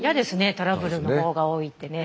トラブルのほうが多いってね。